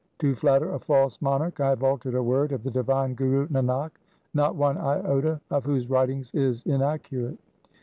To flatter a false monarch I have altered a word of the divine Guru Nanak, not one iota of whose writings is inaccurate.'